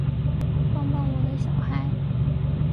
帮帮我的小孩